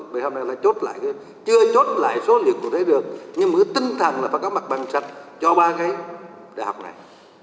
vì hôm nay là chốt lại chưa chốt lại số liệu cụ thể được nhưng mà tinh thần là phải có mặt bằng sạch cho ba cái đại học này